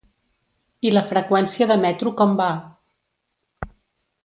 I la freqüència de metro com va?